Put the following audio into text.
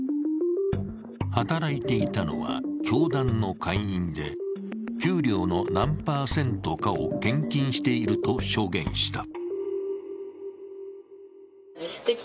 働いていたのは教団の会員で給料の何パーセントかを献金していると証言した。